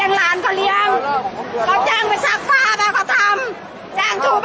อาหรับเชี่ยวจามันไม่มีควรหยุด